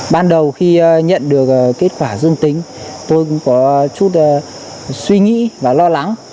ban đầu khi nhận được kết quả dương tính tôi cũng có chút suy nghĩ và lo lắng